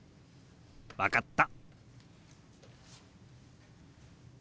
分かった。